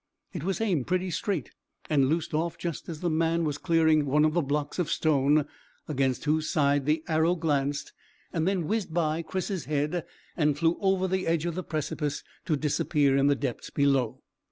It was aimed pretty straight, and loosed off just as the man was clearing one of the blocks of stone, against whose side the arrow glanced and then whizzed by Chris's head and flew over the edge of the precipice, to disappear in the depths below.